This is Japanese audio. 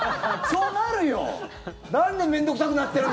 そうなるよ！